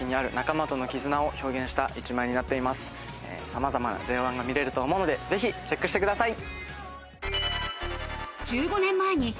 さまざまなＪＯ１が見れると思うのでぜひチェックしてください。